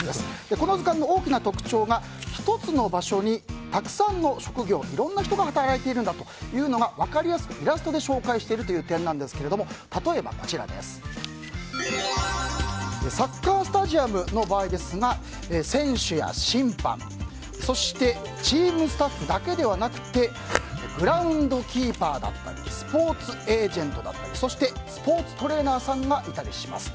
この図鑑の大きな特徴が１つの場所にたくさんの職業、いろんな人が働いているんだというのが分かりやすくイラストで紹介しているという点なんですが例えばサッカースタジアムの場合ですが選手や審判そしてチームスタッフだけではなくてグラウンドキーパーだったりスポーツエージェントだったりそしてスポーツトレーナーさんがいたりします。